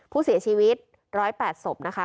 ผู้เสียชีวิต๑๐๘ศพนะคะ